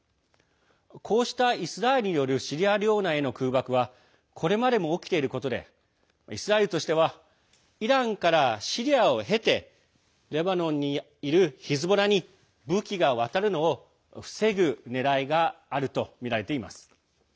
こうしたイスラエルによるシリア領内への空爆はこれまでも起きていることでイスラエルとしてはイランからシリアをへてレバノンにいるヒズボラに武器が渡るのを防ぐねらいがあるとみられています。